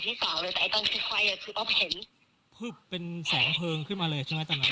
มันแค่แบบนึงทำแบบนึงพี่พูดยังไงวันนี้